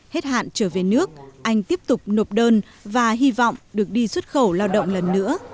hết hạn trở về nước anh tiếp tục nộp đơn và hy vọng được đi xuất khẩu lao động lần nữa